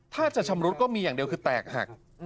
ถ้าจะชำรุดก็มีอย่างเดียวคือแตกหัก